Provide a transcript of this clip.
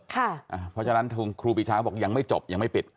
เพราะฉะนั้นครูปีชาก็บอกยังไม่จบยังไม่ปิด